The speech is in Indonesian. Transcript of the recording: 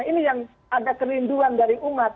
ini yang ada kerinduan dari umat